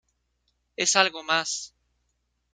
Es algo más!